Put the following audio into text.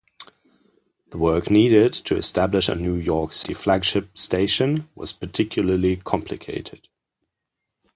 The work needed to establish a New York City flagship station was particularly complicated.